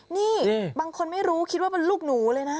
นี่บางคนไม่รู้คิดว่าเป็นลูกหนูเลยนะ